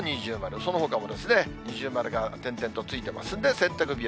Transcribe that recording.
そのほかも二重丸が点々とついてますんで、洗濯日和。